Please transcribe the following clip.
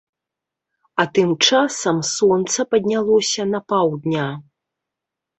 А тым часам сонца паднялося на паўдня.